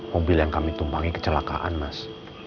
mobil yang kami tumpangi kecelakaan mas